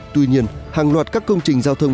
tuy nhiên hàng loạt các công trình giao thông